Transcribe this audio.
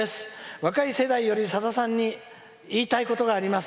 若い世代より、さださんに言いたいことがあります